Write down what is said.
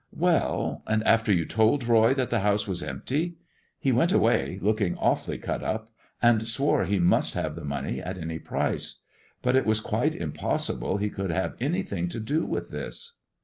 "Well, and after you told Roy that the house was empty 1 " "He went away, looking awfully cut up, and swore he must have the money at any price. But it is quite impos sible he could have anything to do with this."